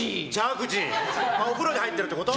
お風呂に入ってるってこと？